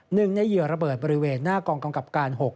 หนึ่งในเหยื่อระเบิดบริเวณหน้ากองกำกับการ๖